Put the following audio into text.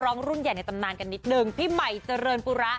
รุ่นใหญ่ในตำนานกันนิดนึงพี่ใหม่เจริญปุระ